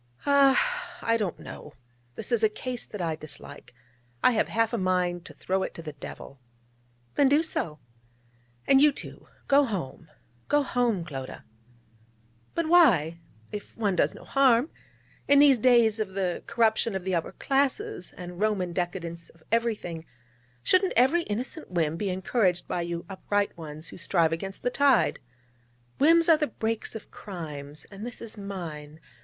'Ah!... I don't know. This is a case that I dislike. I have half a mind to throw it to the devil.' 'Then do so.' 'And you, too go home, go home, Clodagh!' 'But why? if one does no harm. In these days of "the corruption of the upper classes," and Roman decadence of everything, shouldn't every innocent whim be encouraged by you upright ones who strive against the tide? Whims are the brakes of crimes: and this is mine.